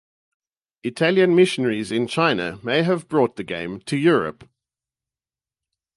Italian missionaries in China may have brought the game to Europe.